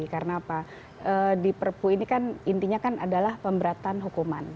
karena apa di perpuk ini kan intinya kan adalah pemberatan hukuman